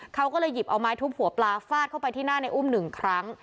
เขาก็เลยหยิบเอาไม้ทุบหัวปลาฟาดเข้าไปที่หน้าในอุ้มหนึ่งครั้ง